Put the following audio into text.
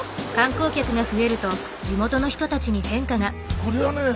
これはね